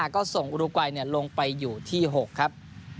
ก็ส่งอุดัยลงไปอยู่ที่๖ครับ